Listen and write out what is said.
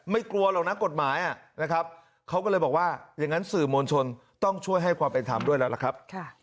กลัวหรอกนะกฎหมายนะครับเขาก็เลยบอกว่าอย่างนั้นสื่อมวลชนต้องช่วยให้ความเป็นธรรมด้วยแล้วล่ะครับ